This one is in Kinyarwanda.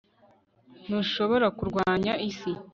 ntushobora kurwanya isi